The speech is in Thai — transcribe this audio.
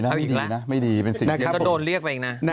ไม่ดีนะไม่ดีเป็นสิ่งที่โดนเรียกไปเองนะ